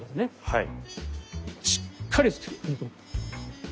はい。